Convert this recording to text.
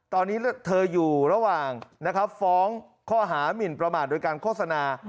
ตอนนี้เธออยู่ระหว่างฟ้องข้อหามินประมาทโดยการโฆษณา